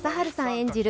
演じる